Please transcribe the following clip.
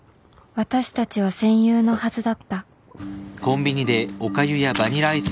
私たちは戦友のはずだった